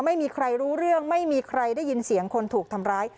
ไม่มีใครรู้เรื่องไม่มีใครได้ยินเสียงคนถูกทำร้าย